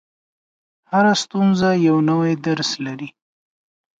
• هره ستونزه یو نوی درس لري.